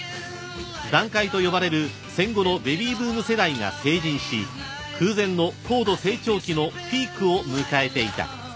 ［団塊と呼ばれる戦後のベビーブーム世代が成人し空前の高度成長期のピークを迎えていた］